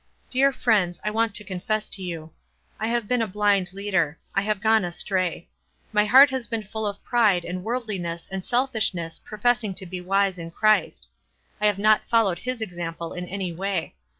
"Dear friends, I want to confess to you. I have been a blind leader. I have gone astray. My heart has been full of pride and worldliness and self ishness, professing to be wise in Christ. I have not followed his example in any way.